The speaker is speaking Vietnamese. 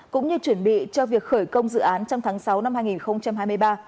cũng như chuẩn bị cho việc khởi công dự án trong tháng sáu năm hai nghìn hai mươi ba